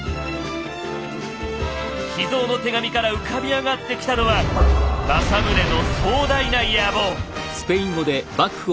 秘蔵の手紙から浮かび上がってきたのは政宗の壮大な野望。